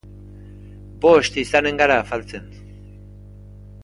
Bost izanen gara afaltzen.